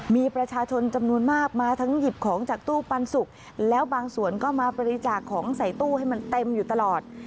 มีประชาชนจำนวนมากมาทั้งหยิบของจากตู้ปันสุกแล้วบางส่วนก็มาบริจาคของใส่ตู้ให้มันเต็มอยู่ตลอด